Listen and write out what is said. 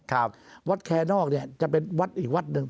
ครับวัดแคนอกเนี่ยจะเป็นวัดอีกวัดหนึ่ง